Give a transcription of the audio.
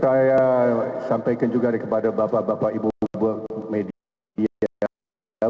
saya sampaikan juga kepada bapak bapak ibu media